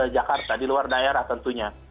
jakarta di luar daerah tentunya